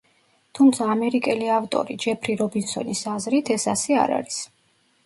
თუმცა ამერიკელი ავტორი ჯეფრი რობინსონის აზრით, ეს ასე არ არის.